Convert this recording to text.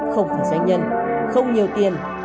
không phải doanh nhân không nhiều tiền